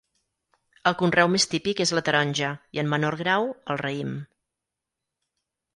El conreu més típic és la taronja i en menor grau, el raïm.